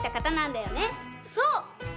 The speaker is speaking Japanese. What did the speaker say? そう！